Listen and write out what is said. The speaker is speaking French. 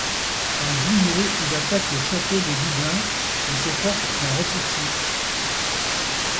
En juillet il attaque le château de Dublin mais ses forces sont repoussées.